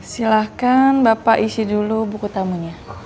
silahkan bapak isi dulu buku tamunya